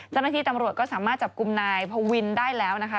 เจ้าหน้าที่ตำรวจก็สามารถจับกลุ่มนายพวินได้แล้วนะคะ